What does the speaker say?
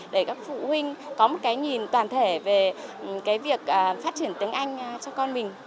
để các phụ huynh có một nhìn toàn thể về việc phát triển tiếng anh cho con mình